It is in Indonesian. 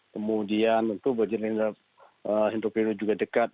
kemudian itu jenderal hendro priyono juga dekat